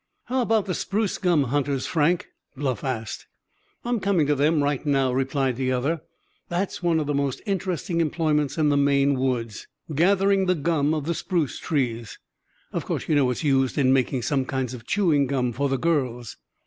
"How about the spruce gum hunters, Frank?" Bluff asked. "I'm coming to them right now," replied the other. "That's one of the most interesting employments in the Maine woods—gathering the gum of the spruce trees. Of course you know it's used in making some kinds of chewing gum for the girls."